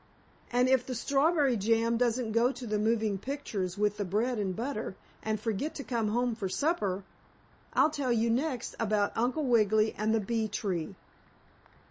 And if the strawberry jam doesn't go to the moving pictures with the bread and butter and forget to come home for supper, I'll tell you next about Uncle Wiggily and the bee tree.